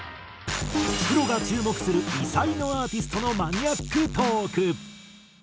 プロが注目する異才のアーティストのマニアックトーク。